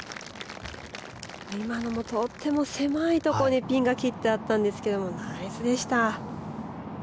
今のもとっても狭いところにピンが切ってあったんですけどもナイスでした。